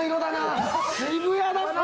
渋谷だっぺ。